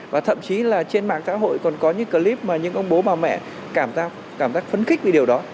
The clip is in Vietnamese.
và thậm chí là trên mạng xã hội còn có những clip mà những ông bố bà mẹ cảm giác phấn khích vì điều đó